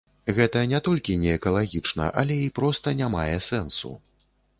Гэта не толькі неэкалагічна, але і проста не мае сэнсу.